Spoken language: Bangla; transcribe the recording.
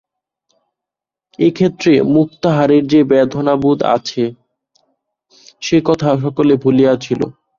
এ ক্ষেত্রে মুক্তাহারের যে বেদনাবোধ আছে, সে কথা সকলে ভুলিয়াছিল।